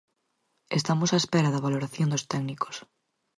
Estamos a espera da valoración dos técnicos.